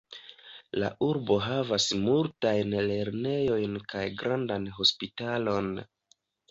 La urbo havas multajn lernejojn kaj grandan hospitalon.